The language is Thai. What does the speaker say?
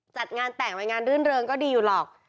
จัดงานแต่งงานรื่นเริงก็ดีอยู่หรอก